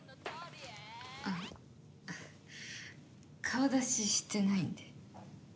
あっ顔出ししてないんで。